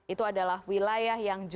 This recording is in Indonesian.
itu adalah wilayah yang jauh